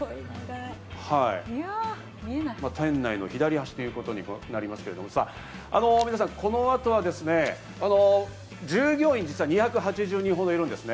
店内の左端ということになりますが、この後は、従業員、実は２８０人ほどいるんですね。